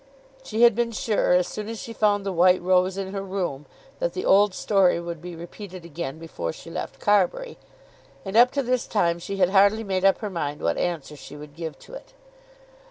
She had been sure, as soon as she found the white rose in her room, that the old story would be repeated again before she left Carbury; and, up to this time, she had hardly made up her mind what answer she would give to it.